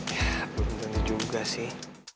ya belum penting juga sih